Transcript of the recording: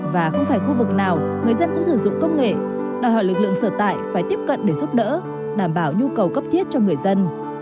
và không phải khu vực nào người dân cũng sử dụng công nghệ đòi hỏi lực lượng sở tại phải tiếp cận để giúp đỡ đảm bảo nhu cầu cấp thiết cho người dân